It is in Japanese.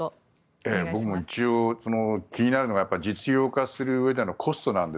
僕も一応、気になるのが実用化するうえでのコストで。